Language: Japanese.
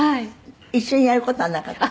一緒にやる事はなかったの？